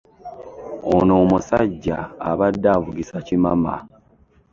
Oyo omusajja abadde avugisa kimama.